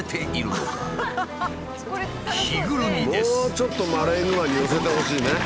もうちょっとマレーグマに寄せてほしいね。